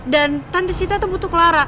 dan tante cita tuh butuh clara